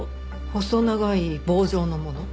細長い棒状のもの。